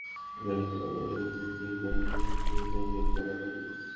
ফ্যাসটস, আমার এক সেলেস্টিয়ালের mind control করা লাগবে।